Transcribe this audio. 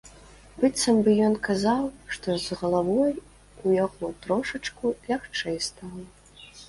Быццам бы ён казаў, што з галавою ў яго трошачку лягчэй стала.